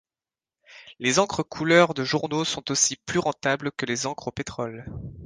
Les encres couleur de journaux sont aussi plus rentables que les encres au pétrole.